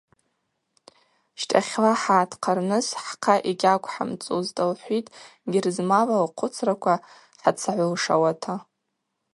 Щтахьла хӏгӏатхъарныс хӏхъа йгьаквхӏымцӏузтӏ, – лхӏвитӏ Герзмава лхъвыцраква хӏыцагӏвылшауата.